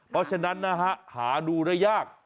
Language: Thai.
เพราะฉะนั้นนะฮะหาดูได้ยาก